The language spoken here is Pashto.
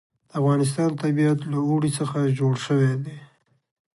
د افغانستان طبیعت له اوړي څخه جوړ شوی دی.